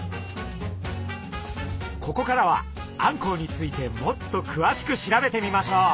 ここからはあんこうについてもっとくわしく調べてみましょう！